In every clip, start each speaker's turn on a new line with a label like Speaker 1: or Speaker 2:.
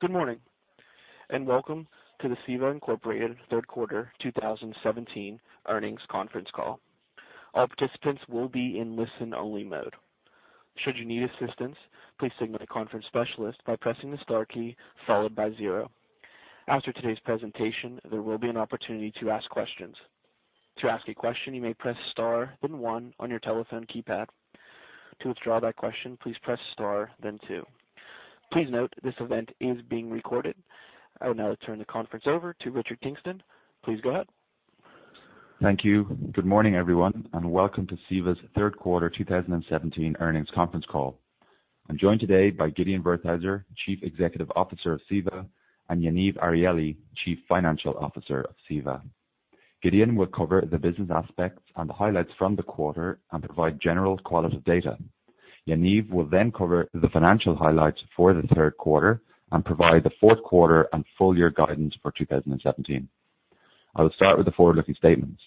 Speaker 1: Good morning, welcome to CEVA, Inc. third quarter 2017 earnings conference call. All participants will be in listen-only mode. Should you need assistance, please signal a conference specialist by pressing the star key followed by zero. After today's presentation, there will be an opportunity to ask questions. To ask a question, you may press star then one on your telephone keypad. To withdraw that question, please press star then two. Please note this event is being recorded. I will now turn the conference over to Richard Kingston. Please go ahead.
Speaker 2: Thank you. Good morning, everyone, welcome to CEVA's third quarter 2017 earnings conference call. I'm joined today by Gideon Wertheizer, Chief Executive Officer of CEVA, and Yaniv Arieli, Chief Financial Officer of CEVA. Gideon will cover the business aspects and the highlights from the quarter and provide general qualitative data. Yaniv will cover the financial highlights for the third quarter and provide the fourth quarter and full year guidance for 2017. I will start with the forward-looking statements.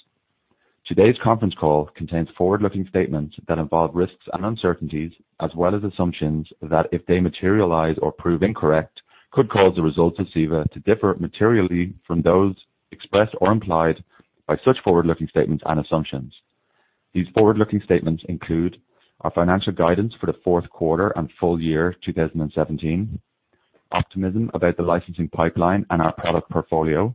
Speaker 2: Today's conference call contains forward-looking statements that involve risks and uncertainties as well as assumptions that if they materialize or prove incorrect, could cause the results of CEVA to differ materially from those expressed or implied by such forward-looking statements and assumptions. These forward-looking statements include our financial guidance for the fourth quarter and full year 2017, optimism about the licensing pipeline and our product portfolio,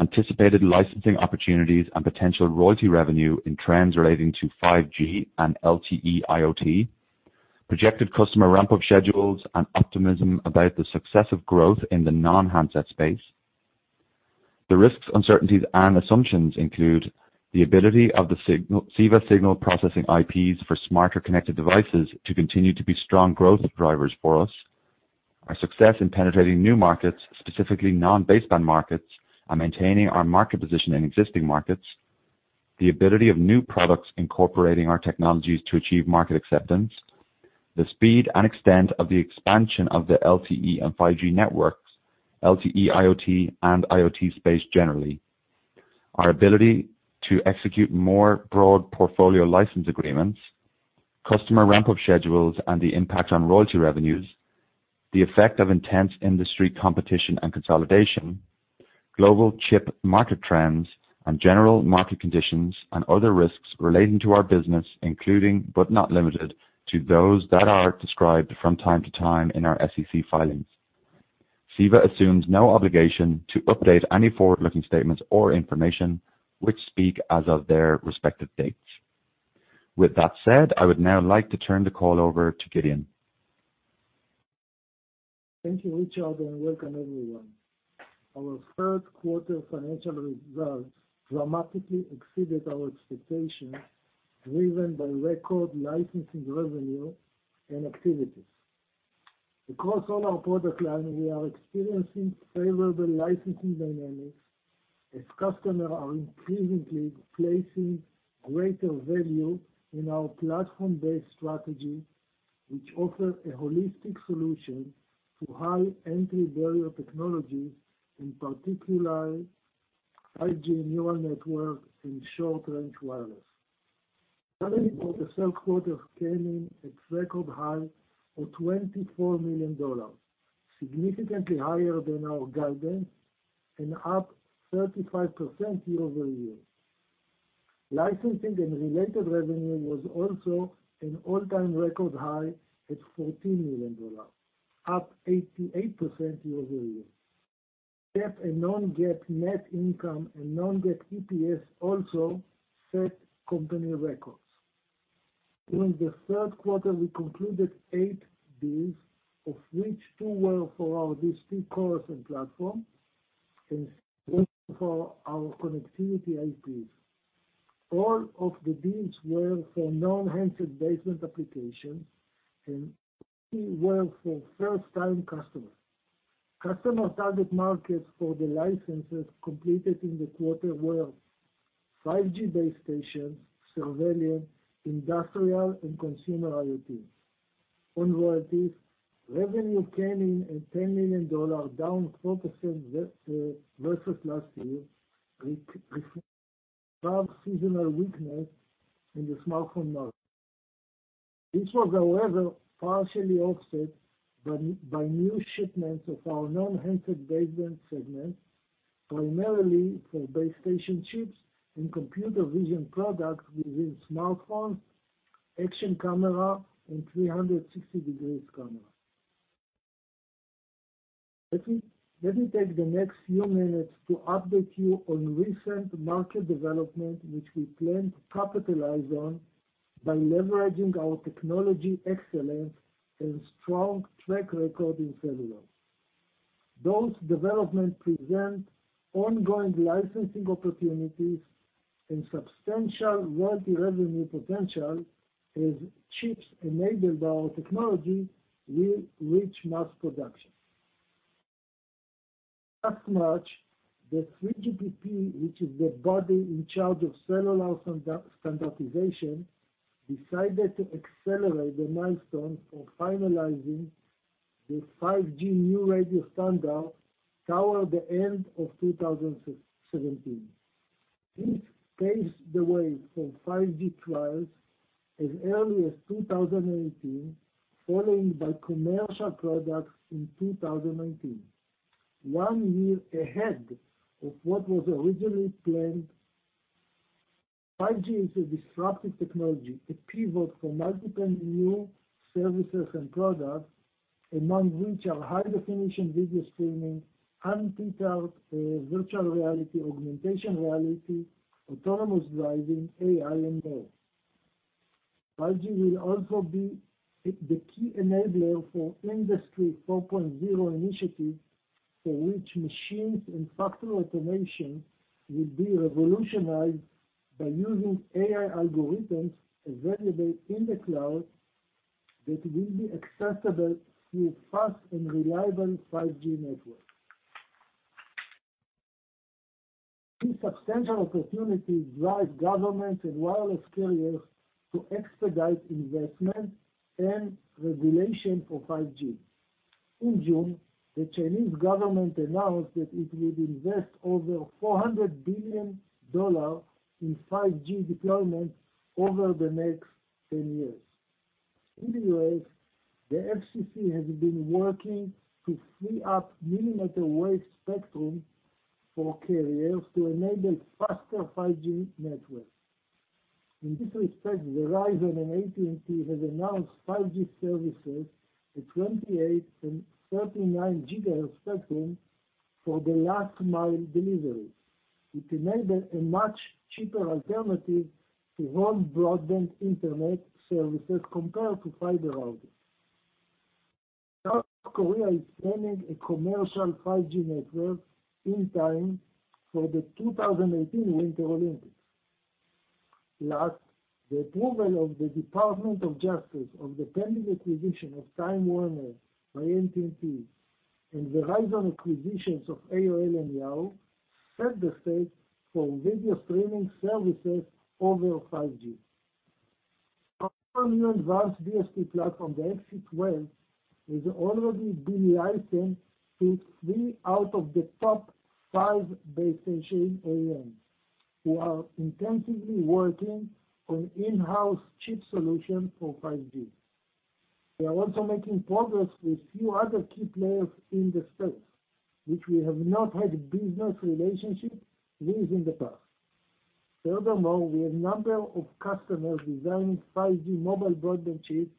Speaker 2: anticipated licensing opportunities and potential royalty revenue in trends relating to 5G and LTE IoT, projected customer ramp-up schedules, and optimism about the success of growth in the non-handset space. The risks, uncertainties, and assumptions include the ability of the CEVA signal processing IPs for smarter connected devices to continue to be strong growth drivers for us, our success in penetrating new markets, specifically non-baseband markets, and maintaining our market position in existing markets, the ability of new products incorporating our technologies to achieve market acceptance, the speed and extent of the expansion of the LTE and 5G networks, LTE IoT, and IoT space generally, our ability to execute more broad portfolio license agreements, customer ramp-up schedules, and the impact on royalty revenues, the effect of intense industry competition and consolidation, global chip market trends, and general market conditions and other risks relating to our business, including but not limited to those that are described from time to time in our SEC filings. CEVA assumes no obligation to update any forward-looking statements or information, which speak as of their respective dates. With that said, I would now like to turn the call over to Gideon.
Speaker 3: Thank you, Richard. Welcome everyone. Our third quarter financial results dramatically exceeded our expectations driven by record licensing revenue and activities. Across all our product lines, we are experiencing favorable licensing dynamics as customers are increasingly placing greater value in our platform-based strategy, which offers a holistic solution to high entry barrier technologies, in particular 5G neural networks and short-range wireless. Revenue for the third quarter came in at record high of $24 million, significantly higher than our guidance and up 35% year-over-year. Licensing and related revenue was also an all-time record high at $14 million, up 88% year-over-year. GAAP and non-GAAP net income and non-GAAP EPS also set company records. During the third quarter, we concluded eight deals, of which two were for our DSP cores and platform and six were for our connectivity IPs. All of the deals were for non-handset baseband applications, and three were for first-time customers. Customer target markets for the licenses completed in the quarter were 5G base stations, surveillance, industrial, and consumer IoT. On royalties, revenue came in at $10 million, down 4% versus last year, reflecting strong seasonal weakness in the smartphone market. This was, however, partially offset by new shipments of our non-handset baseband segment, primarily for base station chips and computer vision products within smartphones, action camera, and 360 degrees camera. Let me take the next few minutes to update you on recent market development, which we plan to capitalize on by leveraging our technology excellence and strong track record in cellular. Those developments present ongoing licensing opportunities and substantial royalty revenue potential as chips enabled by our technology will reach mass production. Last March, the 3GPP, which is the body in charge of cellular standardization, decided to accelerate the milestone for finalizing the 5G new radio standard toward the end of 2017. This paves the way for 5G trials as early as 2018, followed by commercial products in 2019, one year ahead of what was originally planned. 5G is a disruptive technology, a pivot for multiple new services and products, among which are high-definition video streaming, untethered virtual reality, augmented reality, autonomous driving, AI, and more. 5G will also be the key enabler for Industry 4.0 initiative, for which machines and factory automation will be revolutionized by using AI algorithms available in the cloud that will be accessible through fast and reliable 5G networks. These substantial opportunities drive governments and wireless carriers to expedite investment and regulation for 5G. In June, the Chinese government announced that it would invest over $400 billion in 5G deployment over the next 10 years. In the U.S., the FCC has been working to free up millimeter wave spectrum for carriers to enable faster 5G networks. In this respect, Verizon and AT&T have announced 5G services at 28 and 39 GHz spectrum for the last mile delivery. It enabled a much cheaper alternative to home broadband internet services compared to fiber optics. South Korea is planning a commercial 5G network in time for the 2018 Winter Olympics. Last, the approval of the Department of Justice on the pending acquisition of Time Warner by AT&T and Verizon acquisitions of AOL and Yahoo set the stage for video streaming services over 5G. Our new advanced DSP platform, the XC12, is already being licensed to three out of the top five base station OEMs, who are intensively working on in-house chip solution for 5G. We are also making progress with few other key players in the space, which we have not had business relationships with in the past. Furthermore, we have number of customers designing 5G mobile broadband chips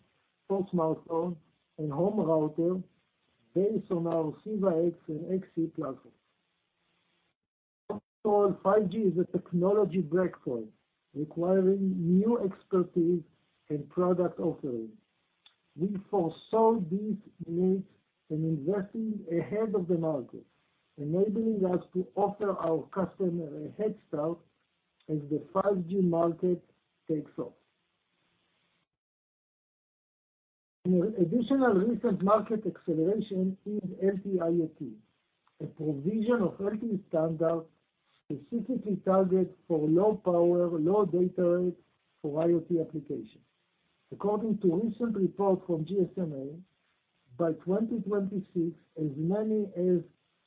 Speaker 3: for smartphone and home router based on our CEVA-X and CEVA-XC platforms. First of all, 5G is a technology breakpoint requiring new expertise and product offerings. We foresaw these needs and invested ahead of the market, enabling us to offer our customer a head start as the 5G market takes off. An additional recent market acceleration is LTE IoT, a provision of LTE standards specifically targeted for low power, low data rate for IoT applications. According to a recent report from GSMA, by 2026, as many as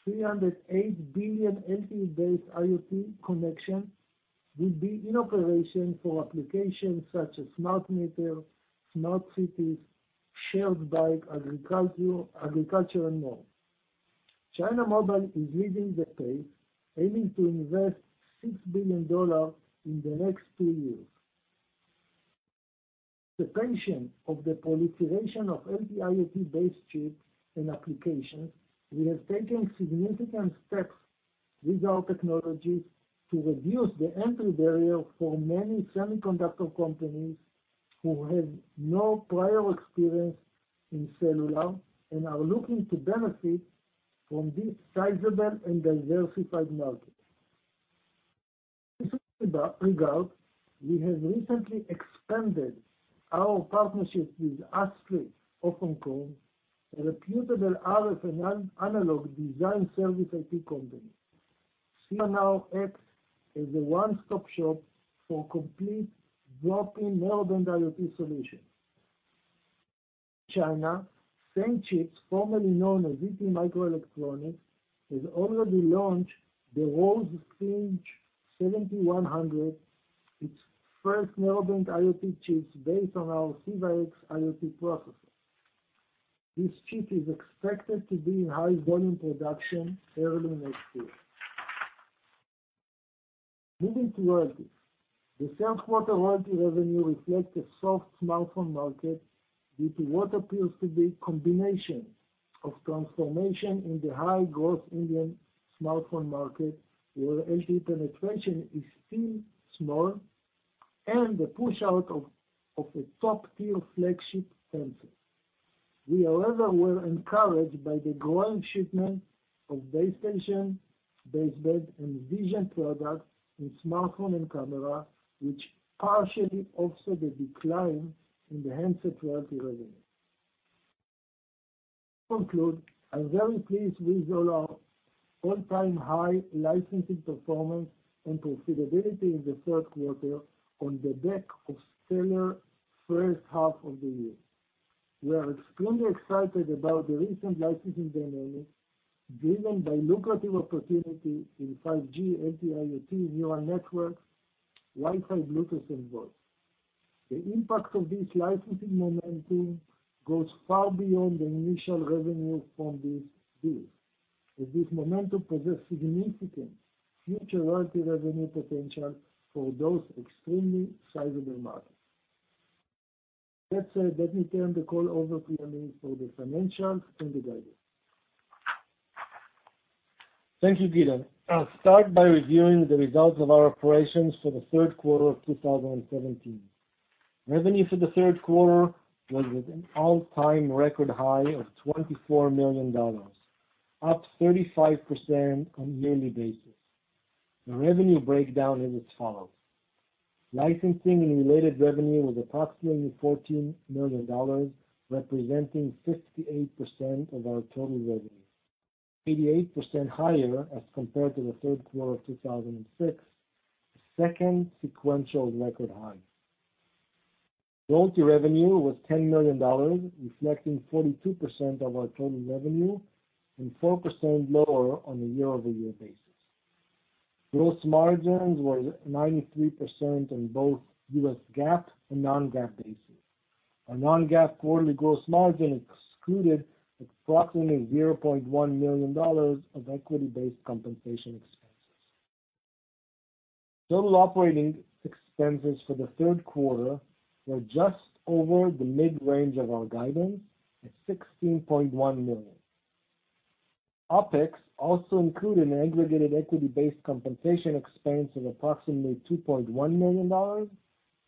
Speaker 3: 308 billion LTE-based IoT connections will be in operation for applications such as smart meter, smart cities, shared bike, agriculture, and more. China Mobile is leading the pace, aiming to invest $6 billion in the next two years. The pace of the proliferation of LTE IoT-based chips and applications, we have taken significant steps with our technologies to reduce the entry barrier for many semiconductor companies who have no prior experience in cellular and are looking to benefit from this sizable and diversified market. In this regard, we have recently expanded our partnership with ASTRI of Hong Kong, a reputable RF and analog design service IP company. CEVA-X as a one-stop shop for complete drop-in Narrowband IoT solution. In China, SangChip, formerly known as ZTE Microelectronics, has already launched the RoseFinch7100, its first Narrowband IoT chips based on our CEVA-X IoT processor. This chip is expected to be in high volume production early next year. Moving to royalties. The third quarter royalty revenue reflects a soft smartphone market due to what appears to be a combination of transformation in the high-growth Indian smartphone market, where HD penetration is still small, and the push out of a top-tier flagship sensor. We, however, were encouraged by the growing shipment of base station, baseband, and vision products in smartphone and camera, which partially offset the decline in the handset royalty revenue. To conclude, I'm very pleased with all our all-time high licensing performance and profitability in the third quarter on the back of stellar first half of the year. We are extremely excited about the recent licensing dynamic driven by lucrative opportunities in 5G, LTE IoT, neural networks, Wi-Fi, Bluetooth, and VoLTE. The impact of this licensing momentum goes far beyond the initial revenue from this deal, as this momentum possess significant future royalty revenue potential for those extremely sizable markets. That said, let me turn the call over to Yaniv for the financials and the guidance.
Speaker 4: Thank you, Gideon. I'll start by reviewing the results of our operations for the third quarter of 2017. Revenue for the third quarter was at an all-time record high of $24 million, up 35% on yearly basis. The revenue breakdown is as follows. Licensing and related revenue was approximately $14 million, representing 58% of our total revenue, 88% higher as compared to the third quarter of 2016, the second sequential record high. Royalty revenue was $10 million, reflecting 42% of our total revenue and 4% lower on a year-over-year basis. Gross margins were 93% on both US GAAP and non-GAAP basis. Our non-GAAP quarterly gross margin excluded approximately $0.1 million of equity-based compensation expenses. Total operating expenses for the third quarter were just over the mid-range of our guidance at $16.1 million. OPEX also included an aggregated equity-based compensation expense of approximately $2.1 million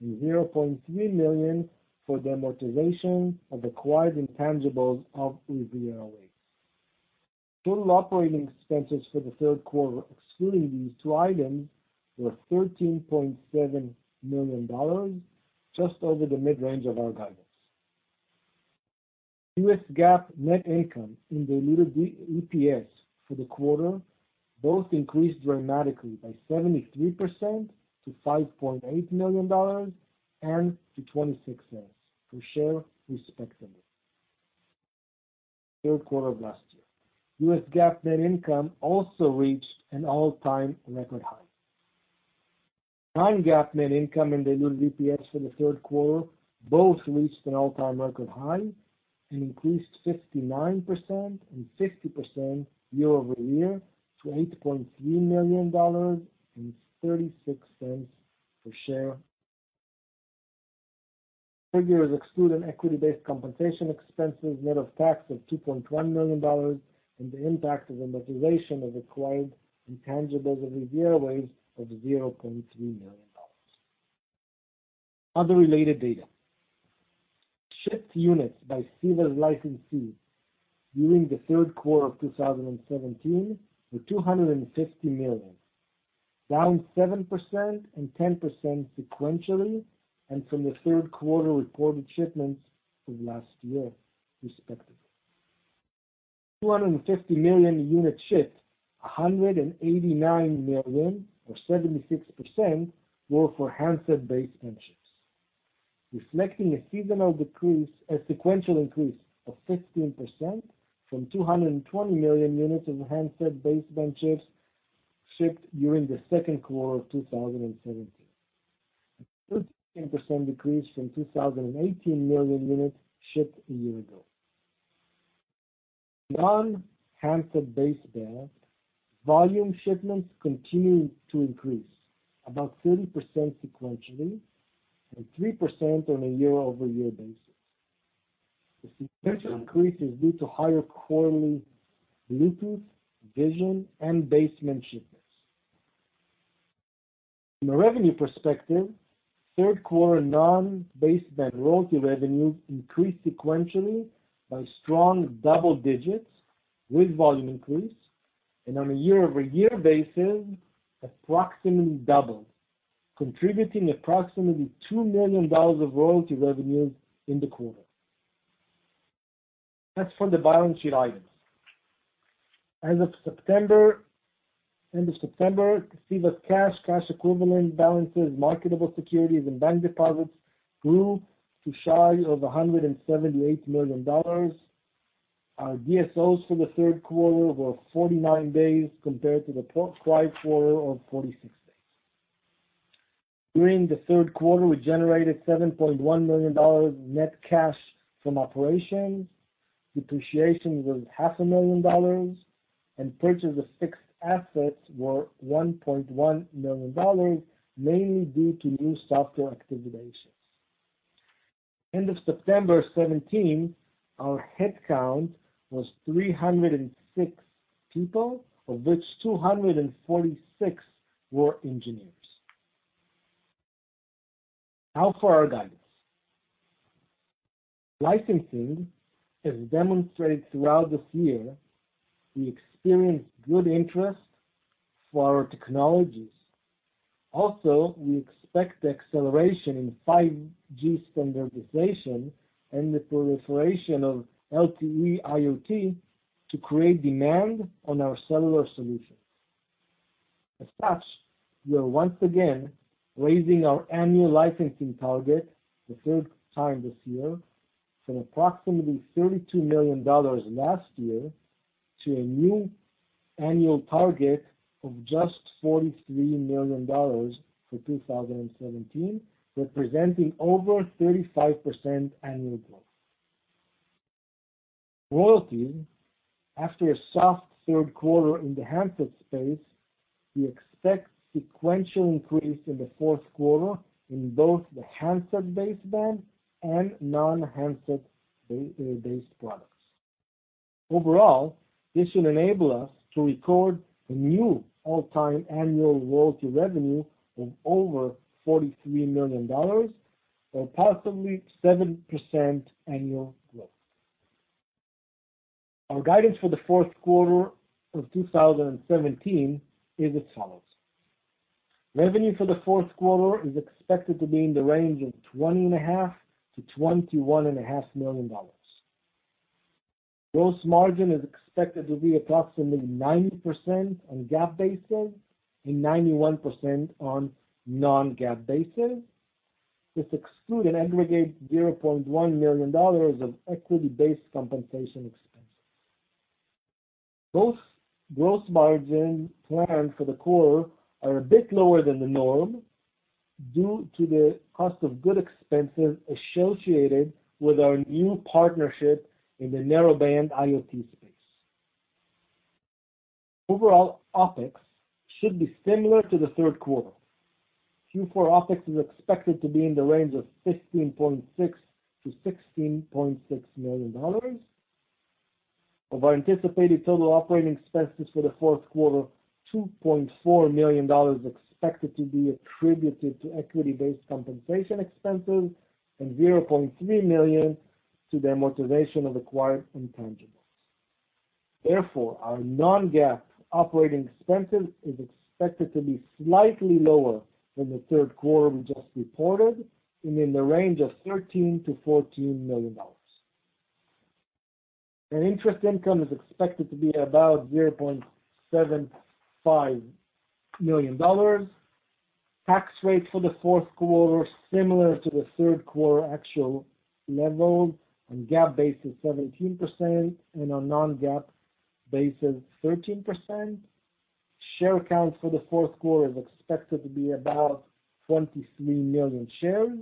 Speaker 4: and $0.3 million for the amortization of acquired intangibles of RivieraWaves. Total operating expenses for the third quarter, excluding these two items, were $13.7 million, just over the mid-range of our guidance. US GAAP net income and diluted EPS for the quarter both increased dramatically by 73% to $5.8 million and to $0.26 per share, respectively, third quarter of last year. US GAAP net income also reached an all-time record high. Non-GAAP net income and diluted EPS for the third quarter both reached an all-time record high and increased 59% and 50% year-over-year to $8.3 million and $0.36 per share. Figures exclude an equity-based compensation expenses net of tax of $2.1 million, and the impact of amortization of acquired intangibles of RivieraWaves of $0.3 million. Other related data. Shipped units by CEVA's licensees during the third quarter of 2017 were 250 million, down 7% and 10% sequentially, and from the third quarter reported shipments of last year, respectively. Of the 250 million unit shipped, 189 million or 76% were for handset baseband chips, reflecting a sequential increase of 15% from 220 million units of handset baseband chips shipped during the second quarter of 2017. A 13% increase from [167 million units.] units shipped a year ago. Non-handset baseband volume shipments continued to increase, about 30% sequentially and 3% on a year-over-year basis. The sequential increase is due to higher quarterly Bluetooth, vision, and baseband shipments. From a revenue perspective, third quarter non-baseband royalty revenue increased sequentially by strong double digits with volume increase, and on a year-over-year basis, approximately double, contributing approximately $2 million of royalty revenue in the quarter. As for the balance sheet items. End of September 2017, CEVA's cash equivalent balances, marketable securities, and bank deposits grew to shy of $178 million. Our DSOs for the third quarter were 49 days compared to the prior quarter of 46 days. During the third quarter, we generated $7.1 million net cash from operations, depreciation was half a million dollars, and purchase of fixed assets were $1.1 million, mainly due to new software activations. End of September 2017, our headcount was 306 people, of which 246 were engineers. Now for our guidance. Licensing has demonstrated throughout this year, we experienced good interest for our technologies. Also, we expect acceleration in 5G standardization and the proliferation of LTE IoT to create demand on our cellular solutions. As such, we are once again raising our annual licensing target, the third time this year, from approximately $32 million last year to a new annual target of just $43 million for 2017, representing over 35% annual growth. Royalty, after a soft third quarter in the handset space, we expect sequential increase in the fourth quarter in both the handset baseband and non-handset-based products. Overall, this should enable us to record a new all-time annual royalty revenue of over $43 million or approximately 7% annual growth. Our guidance for the fourth quarter of 2017 is as follows. Revenue for the fourth quarter is expected to be in the range of $20.5 million-$21.5 million. Gross margin is expected to be approximately 90% on GAAP basis and 91% on non-GAAP basis. This exclude an aggregate $0.1 million of equity-based compensation expense. Both gross margin planned for the quarter are a bit lower than the norm due to the cost of goods expenses associated with our new partnership in the Narrowband IoT space. Overall, OpEx should be similar to the third quarter. Q4 OpEx is expected to be in the range of $15.6 million-$16.6 million. Of our anticipated total operating expenses for the fourth quarter, $2.4 million is expected to be attributed to equity-based compensation expenses and $0.3 million to the amortization of acquired intangibles. Therefore, our non-GAAP operating expenses is expected to be slightly lower than the third quarter we just reported and in the range of $13 million-$14 million. An interest income is expected to be about $0.75 million. Tax rate for the fourth quarter, similar to the third quarter actual level, on GAAP basis is 17% and on non-GAAP basis, 13%. Share count for the fourth quarter is expected to be about 23 million shares.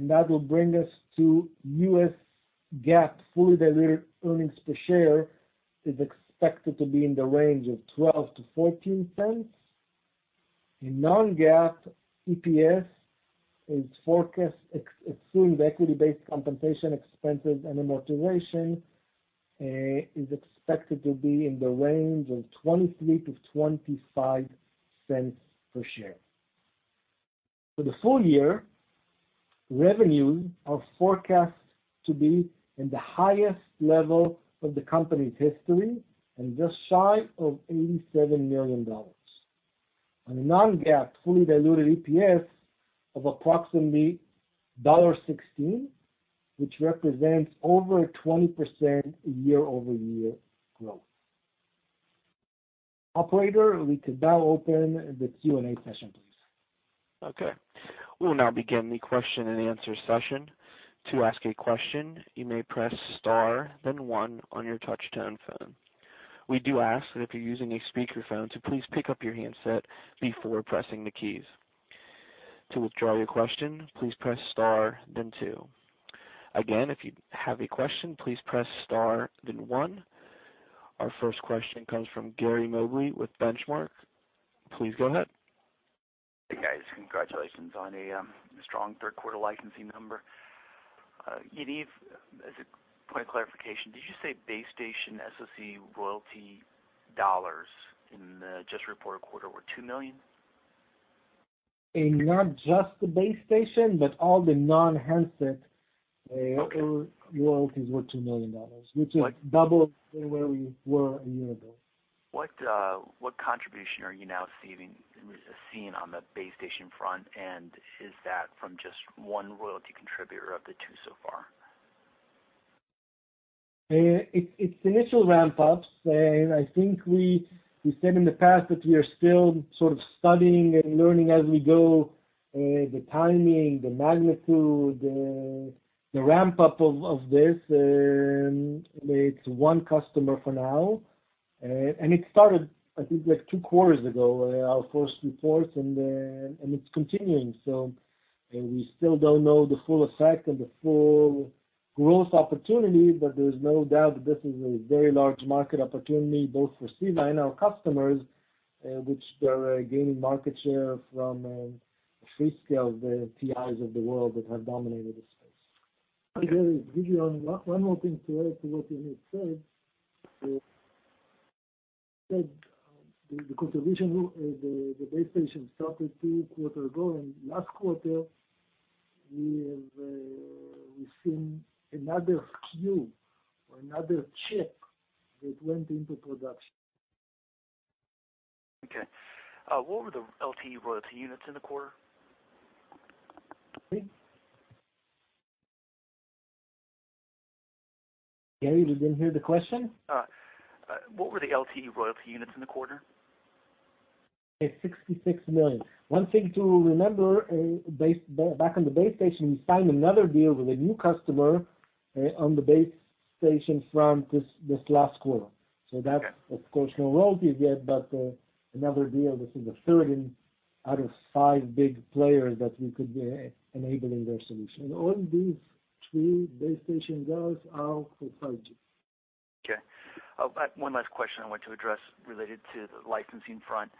Speaker 4: That will bring us to US GAAP fully-diluted earnings per share, is expected to be in the range of $0.12-$0.14. Non-GAAP EPS is forecast excluding the equity-based compensation expenses and amortization, is expected to be in the range of $0.23-$0.25 per share. For the full year, revenues are forecast to be in the highest level of the company's history and just shy of $87 million. On a non-GAAP, fully diluted EPS of approximately $1.16, which represents over 20% year-over-year growth. Operator, we could now open the Q&A session, please.
Speaker 1: Okay. We will now begin the question and answer session. To ask a question, you may press star then one on your touch-tone phone. We do ask that if you're using a speakerphone, to please pick up your handset before pressing the keys. To withdraw your question, please press star then two. Again, if you have a question, please press star then one. Our first question comes from Gary Mobley with The Benchmark Company. Please go ahead.
Speaker 5: Hey, guys. Congratulations on a strong third quarter licensing number. Yaniv, as a point of clarification, did you say base station SoC royalty dollars in the just reported quarter were $2 million?
Speaker 4: In not just the base station, but all the non-handset royalties were $2 million, which is double from where we were a year ago.
Speaker 5: What contribution are you now seeing on the base station front, and is that from just one royalty contributor of the two so far?
Speaker 4: It's initial ramp-ups, I think we said in the past that we are still sort of studying and learning as we go, the timing, the magnitude, the ramp-up of this, it's one customer for now. It started, I think, like two quarters ago, our first report, and it's continuing. We still don't know the full effect and the full growth opportunity, but there's no doubt that this is a very large market opportunity both for CEVA and our customers, which they're gaining market share from Freescale, the TIs of the world that have dominated the space.
Speaker 3: Hi, Gary. Gideon. One more thing to add to what Yaniv said. The contribution, the base station started two quarter ago, last quarter we have seen another SKU or another chip that went into production.
Speaker 5: Okay. What were the LTE royalty units in the quarter?
Speaker 4: Gary, did you hear the question?
Speaker 5: What were the LTE royalty units in the quarter?
Speaker 4: It's 66 million. One thing to remember, back on the base station, we signed another deal with a new customer on the base station from this last quarter. That's, of course, no royalties yet, but another deal. This is the third out of five big players that we could be enabling their solution. All these three base station deals are for 5G.
Speaker 5: Okay. One last question I want to address related to the licensing front.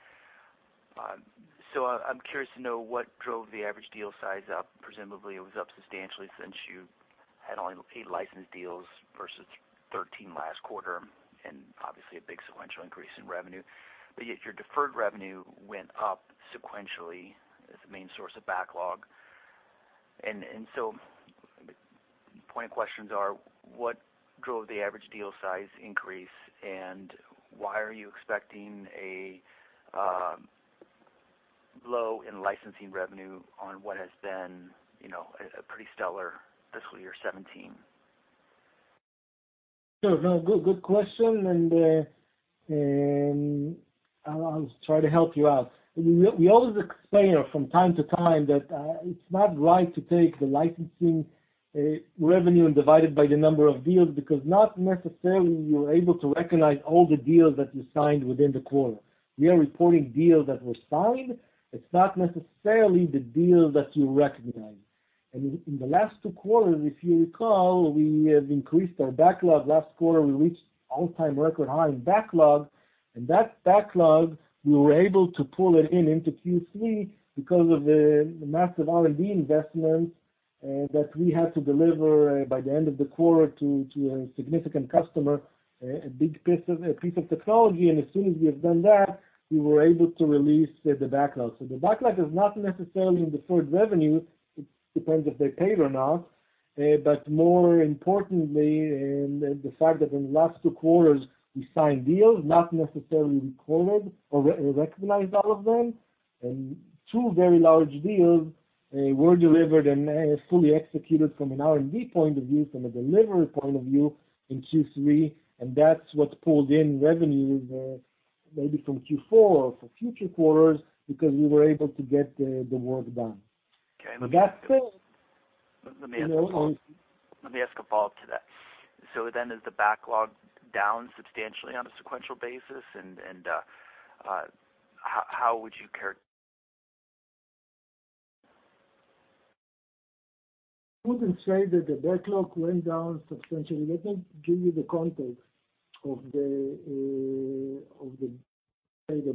Speaker 5: I'm curious to know what drove the average deal size up. Presumably, it was up substantially since you had only eight licensed deals versus 13 last quarter, and obviously a big sequential increase in revenue. Yet your deferred revenue went up sequentially as the main source of backlog. Point questions are, what drove the average deal size increase, and why are you expecting a blow in licensing revenue on what has been a pretty stellar fiscal year 2017?
Speaker 4: Sure. No, good question. I'll try to help you out. We always explain from time to time that it's not right to take the licensing revenue and divide it by the number of deals, because not necessarily you're able to recognize all the deals that you signed within the quarter. We are reporting deals that were signed. It's not necessarily the deals that you recognize. In the last two quarters, if you recall, we have increased our backlog. Last quarter, we reached all-time record high in backlog. That backlog, we were able to pull it in into Q3 because of the massive R&D investments that we had to deliver by the end of the quarter to a significant customer, a big piece of technology. As soon as we have done that, we were able to release the backlog. The backlog is not necessarily in deferred revenue. It depends if they paid or not. More importantly, the fact that in the last two quarters, we signed deals, not necessarily we pulled or recognized all of them. Two very large deals were delivered and fully executed from an R&D point of view, from a delivery point of view in Q3, and that's what pulled in revenue, maybe from Q4 or for future quarters, because we were able to get the work done.
Speaker 5: Okay.
Speaker 4: That said.
Speaker 5: Let me ask a follow-up to that. Is the backlog down substantially on a sequential basis? How would you charac-?
Speaker 4: I wouldn't say that the backlog went down substantially. Let me give you the context of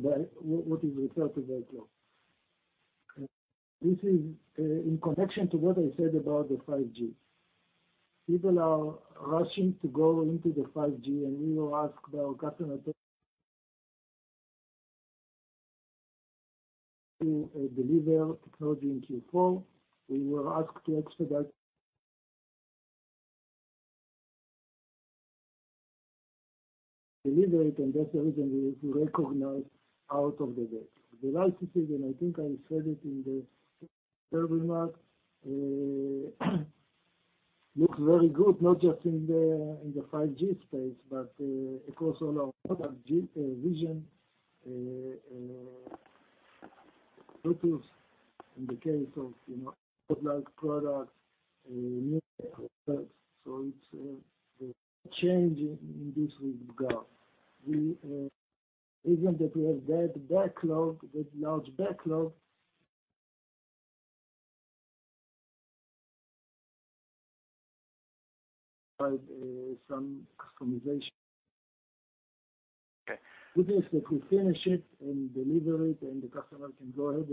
Speaker 4: what is referred to backlog. This is in connection to what I said about the 5G. People are rushing to go into the 5G. We were asked by our customer to deliver technology in Q4. We were asked to expedite delivery, and that's the reason we recognize out of the gate. The licensing, I think I said it in the remark, looks very good, not just in the 5G space, but across all our product 5G vision, Bluetooth in the case of smart watch products, new products. There's no change in this regard. Given that we have that large backlog, some customization.
Speaker 5: Okay.
Speaker 4: This is if we finish it and deliver it, the customer can go ahead.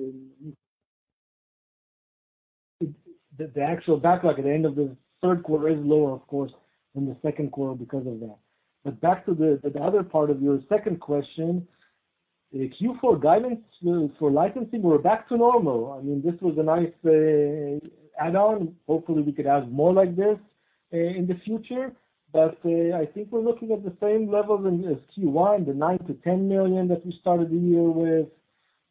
Speaker 4: The actual backlog at the end of the third quarter is lower, of course, than the second quarter because of that. Back to the other part of your second question, Q4 guidance for licensing, we're back to normal. This was a nice add-on. Hopefully, we could add more like this in the future. I think we're looking at the same level as Q1, the $9 million-$10 million that we started the year with,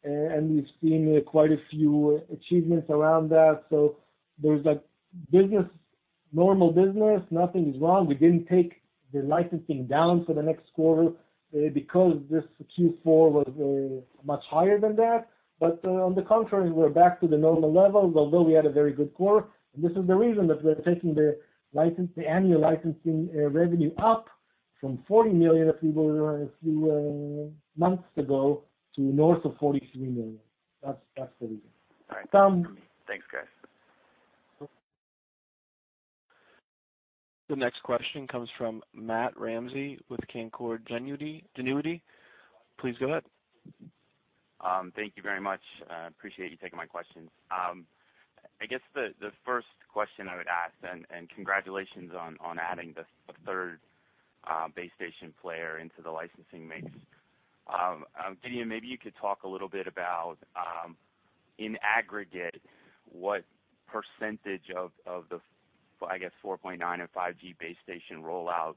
Speaker 4: and we've seen quite a few achievements around that. There's normal business. Nothing is wrong. We didn't take the licensing down for the next quarter because this Q4 was much higher than that. On the contrary, we're back to the normal levels, although we had a very good quarter. This is the reason that we're taking the annual licensing revenue up from $40 million a few months ago to north of $43 million. That's the reason.
Speaker 5: All right.
Speaker 4: [Some].
Speaker 5: Thanks, guys.
Speaker 1: The next question comes from Matt Ramsey with Canaccord Genuity. Please go ahead.
Speaker 6: Thank you very much. Appreciate you taking my questions. I guess the first question I would ask, congratulations on adding a third base station player into the licensing mix. Gideon, maybe you could talk a little bit about, in aggregate, what percentage of the, I guess, 4.9 and 5G base station rollout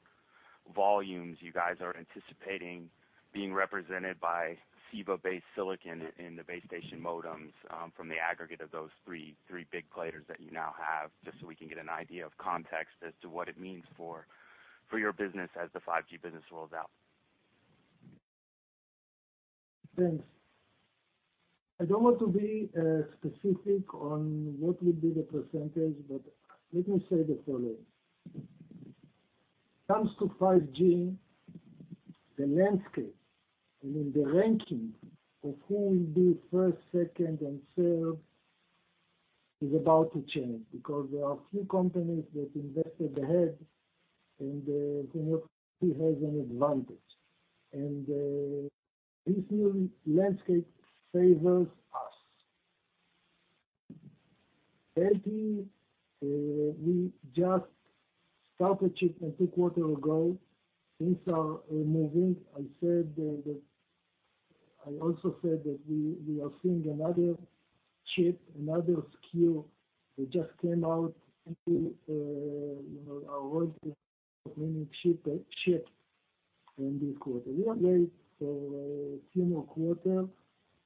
Speaker 6: volumes you guys are anticipating being represented by CEVA-based silicon in the base station modems from the aggregate of those three big players that you now have, just so we can get an idea of context as to what it means for your business as the 5G business rolls out.
Speaker 3: Thanks. I don't want to be specific on what will be the percentage, let me say the following. When it comes to 5G, the landscape, the ranking of who will be first, second, and third is about to change because there are few companies that invested ahead, who have an advantage. This new landscape favors us. LTE, we just started shipment two quarter ago. Things are moving. I also said that we are seeing another chip, another SKU, that just came out into our royalty, meaning shipped in this quarter. We wait for a few more quarter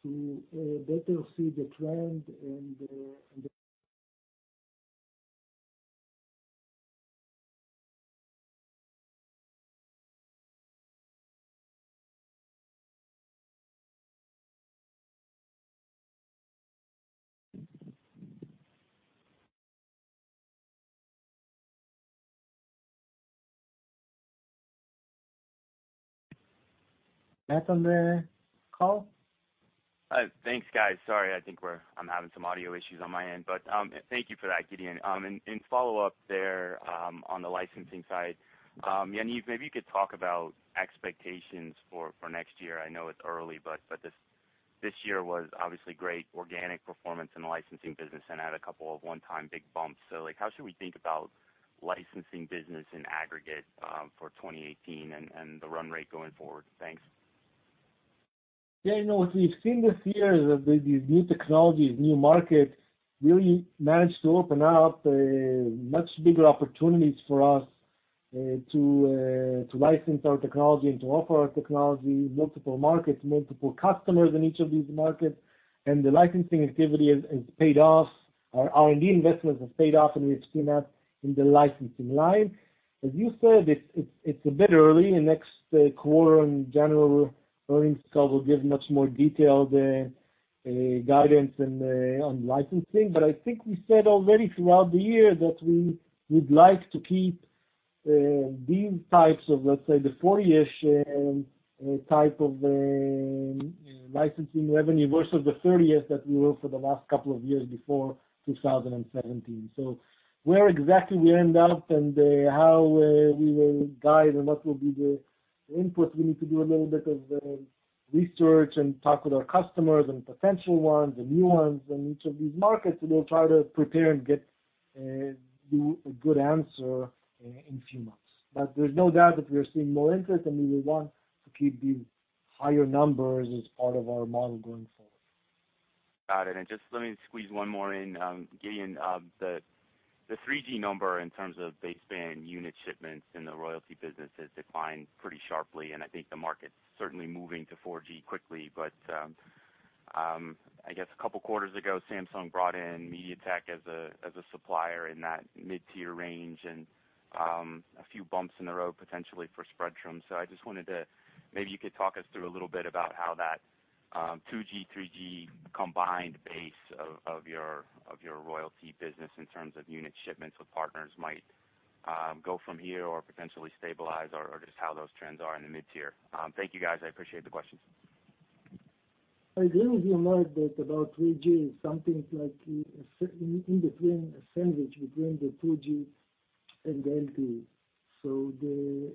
Speaker 3: to better see the trend and the Back on the call?
Speaker 6: Thanks, guys. Sorry, I think I'm having some audio issues on my end, thank you for that, Gideon. In follow-up there on the licensing side, Yaniv, maybe you could talk about expectations for next year. I know it's early, this year was obviously great organic performance in the licensing business and had a couple of one-time big bumps. How should we think about licensing business in aggregate for 2018 and the run rate going forward? Thanks.
Speaker 4: What we've seen this year is that these new technologies, new market, really managed to open up much bigger opportunities for us to license our technology and to offer our technology, multiple markets, multiple customers in each of these markets. The licensing activity has paid off. Our R&D investments have paid off, and we've seen that in the licensing line. As you said, it's a bit early. In next quarter and general earnings call, we'll give much more detailed guidance on licensing. I think we said already throughout the year that we would like to keep these types of, let's say, the 40-ish type of licensing revenue versus the 30-ish that we were for the last couple of years before 2017. Where exactly we end up and how we will guide and what will be the input, we need to do a little bit of research and talk with our customers and potential ones and new ones in each of these markets, and we'll try to prepare and get you a good answer in few months. There's no doubt that we are seeing more interest, and we will want to keep these higher numbers as part of our model going forward.
Speaker 6: Got it. Just let me squeeze one more in. Gideon, the 3G number in terms of baseband unit shipments in the royalty business has declined pretty sharply, and I think the market's certainly moving to 4G quickly. I guess a couple quarters ago, Samsung brought in MediaTek as a supplier in that mid-tier range, and a few bumps in the road potentially for Spreadtrum. maybe you could talk us through a little bit about how that 2G, 3G combined base of your royalty business in terms of unit shipments with partners might go from here or potentially stabilize, or just how those trends are in the mid-tier. Thank you, guys. I appreciate the questions.
Speaker 3: I agree with you, Matt, that about 3G is something like in between a sandwich between the 2G and the LTE. The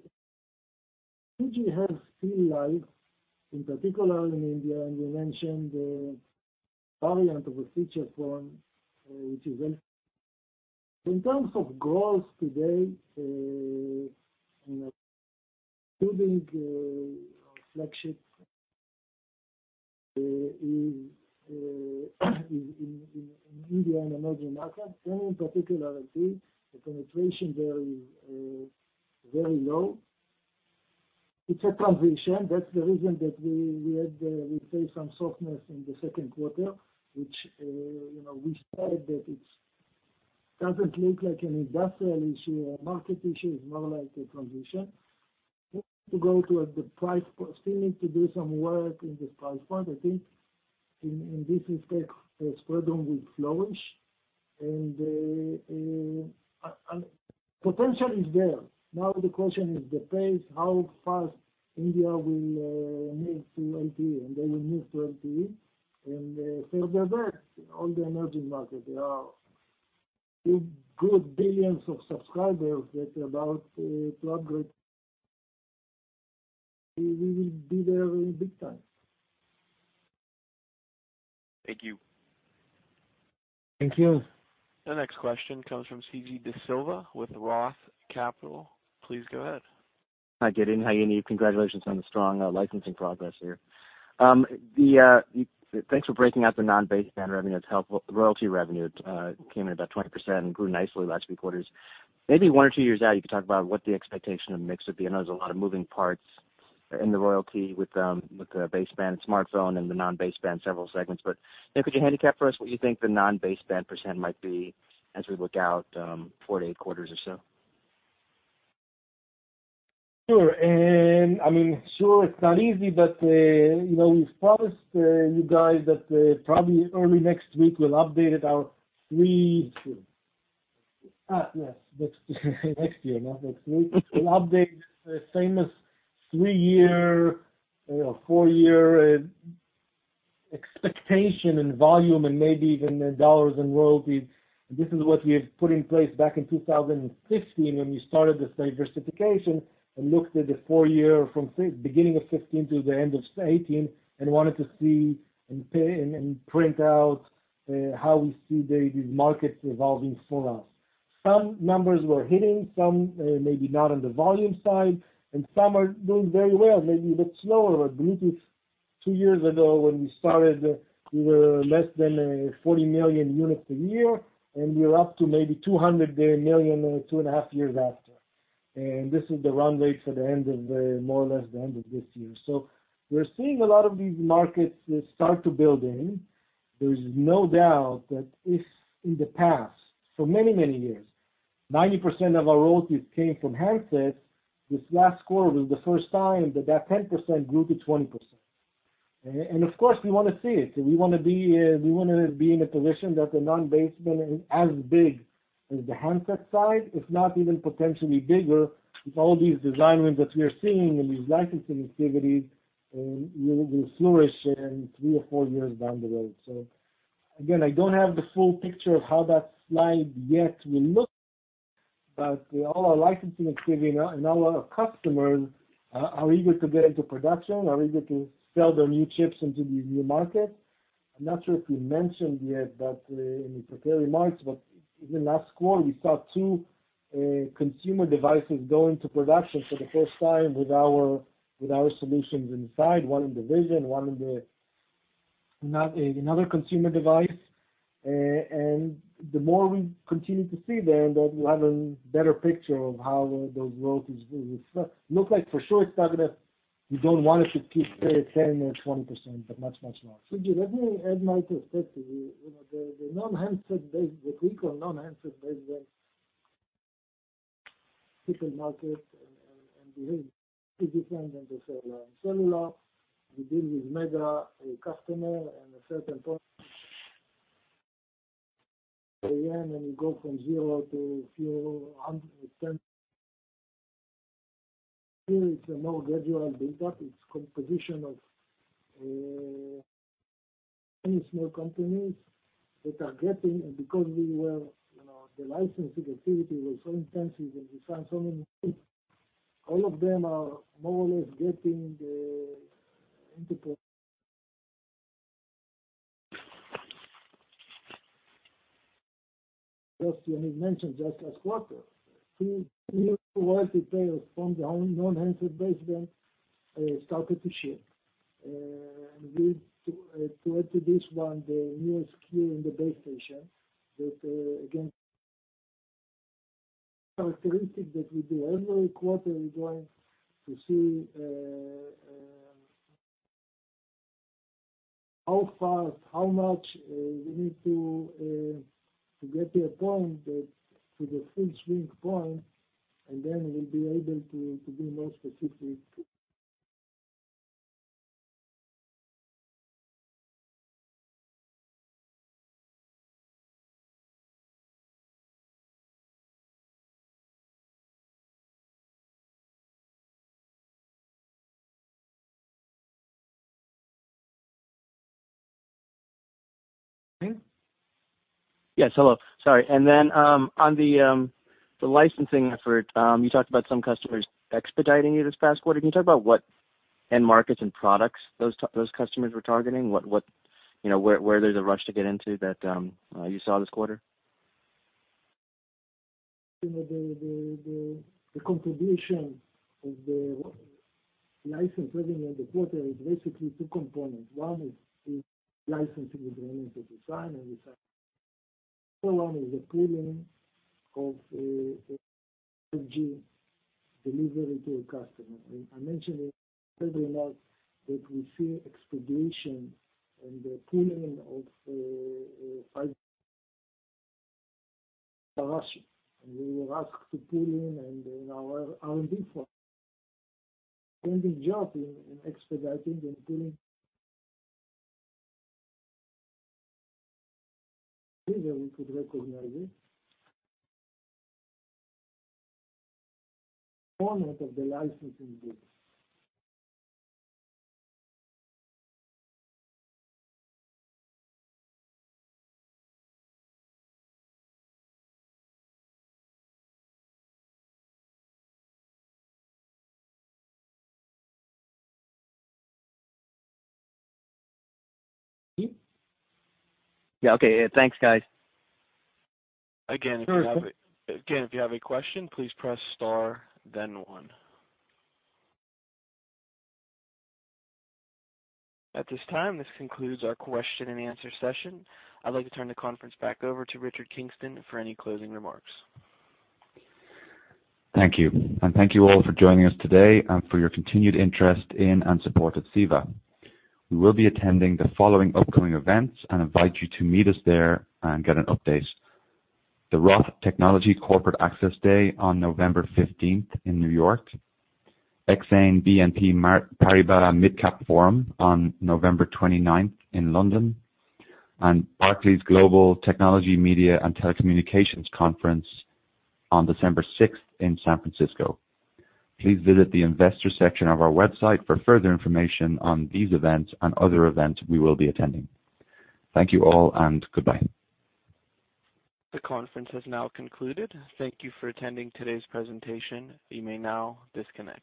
Speaker 3: 3G has three lives, in particular in India, and you mentioned the variant of a feature phone, which is in. In terms of growth today, building flagship in India and emerging markets, and in particular LTE, the penetration there is very low. It's a transition. That's the reason that we face some softness in the second quarter, which we said that it doesn't look like an industrial issue or market issue. It's more like a transition. We need to go to the price point. We still need to do some work in this price point. I think in this respect, Spreadtrum will flourish, and potential is there. The question is the pace, how fast India will move to LTE. They will move to LTE, further that, all the emerging markets. There are good billions of subscribers that are about to upgrade. We will be there in big time.
Speaker 6: Thank you.
Speaker 3: Thank you.
Speaker 1: The next question comes from Suji DeSilva with Roth Capital. Please go ahead.
Speaker 7: Hi, Gideon. Hi, Yaniv. Congratulations on the strong licensing progress here. Thanks for breaking out the non-baseband revenue. It's helpful. The royalty revenue came in about 20% and grew nicely the last few quarters. Maybe one or two years out, you could talk about what the expectation of the mix would be. I know there's a lot of moving parts in the royalty with the baseband smartphone and the non-baseband several segments. Could you handicap for us what you think the non-baseband % might be as we look out four to eight quarters or so?
Speaker 4: Sure. Sure, it's not easy, but we've promised you guys that probably early next week, we'll update our three Next year, not next week. We'll update the famous three year or four year expectation in volume and maybe even in $ in royalties. This is what we have put in place back in 2015, when we started this diversification and looked at the four year from beginning of 2015 to the end of 2018 and wanted to see and print out how we see these markets evolving for us. Some numbers we're hitting, some maybe not on the volume side, and some are doing very well, maybe a bit slower. Bluetooth, two years ago when we started, we were less than 40 million units a year, and we're up to maybe 200 million, two and a half years after. This is the run rate for more or less the end of this year. We're seeing a lot of these markets start to build in. There's no doubt that if in the past, for many, many years, 90% of our royalties came from handsets. This last quarter was the first time that that 10% grew to 20%. Of course, we want to see it. We want to be in a position that the non-baseband is as big as the handset side, if not even potentially bigger with all these design wins that we are seeing and these licensing activities will flourish in three or four years down the road. Again, I don't have the full picture of how that slide yet will look, but all our licensing activity and all our customers are eager to get into production, are eager to sell their new chips into these new markets. I'm not sure if we mentioned yet, in the prepared remarks, but in the last quarter, we saw two consumer devices go into production for the first time with our solutions inside, one in the vision, one in another consumer device. The more we continue to see there, and that we'll have a better picture of how those royalties will look like. For sure, it's not that we don't want it to keep saying they're 20%, but much, much more.
Speaker 3: Suji, let me add my perspective. The quick or non-handset baseband, different market and behavior is different than the cellular. In cellular, we deal with mega customer and a certain point, when you go from zero to few hundred percent, here it's a more gradual buildup. It's composition of many small companies that are getting, and because the licensing activity was so intensive and we signed so many, all of them are more or less getting the integration. Yaniv mentioned, last quarter, three new royalty payers from the non-handset baseband started to ship. We added this one, the newest SKU in the base station that, again, characteristic that we do every quarter, we're going to see how fast, how much we need to get to a point that, to the full swing point, and then we'll be able to be more specific.
Speaker 7: Yes. Hello. Sorry. Then, on the licensing effort, you talked about some customers expediting you this past quarter. Can you talk about what end markets and products those customers were targeting? Where there's a rush to get into that you saw this quarter?
Speaker 3: The contribution of the license revenue in the quarter is basically two components. One is licensing with the element of design and we sign. The other one is the pulling of 5G delivery to a customer. I mentioned in prepared remarks that we see expedition and the pulling of 5G. We were asked to pull in and our R&D for doing the job in expediting and pulling. Easier we could recognize it. Component of the licensing business.
Speaker 7: Yeah. Okay, thanks, guys.
Speaker 1: Again, if you have a question, please press star then one. At this time, this concludes our question and answer session. I'd like to turn the conference back over to Richard Kingston for any closing remarks.
Speaker 2: Thank you. Thank you all for joining us today and for your continued interest in and support of CEVA. We will be attending the following upcoming events and invite you to meet us there and get an update. The Roth Technology Corporate Access Day on November 15th in New York, Exane BNP Paribas MidCap Forum on November 29th in London, and Barclays Global Technology, Media and Telecommunications Conference on December 6th in San Francisco. Please visit the investor section of our website for further information on these events and other events we will be attending. Thank you all, and goodbye.
Speaker 1: The conference has now concluded. Thank you for attending today's presentation. You may now disconnect.